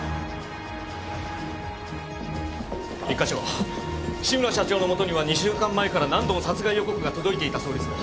一課長志村社長のもとには２週間前から何度も殺害予告が届いていたそうですが？